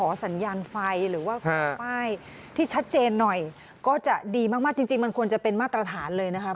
สัญญาณไฟหรือว่าขอป้ายที่ชัดเจนหน่อยก็จะดีมากจริงมันควรจะเป็นมาตรฐานเลยนะคะ